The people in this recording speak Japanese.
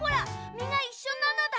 みがいっしょなのだ。